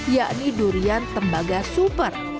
yakni durian tembaga super